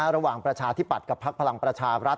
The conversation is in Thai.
ระหว่างประชาธิบัตรกับพักพลังประชารัฐ